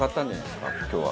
今日は。